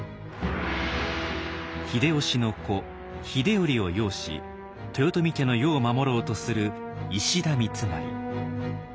秀吉の子秀頼を擁し豊臣家の世を守ろうとする石田三成。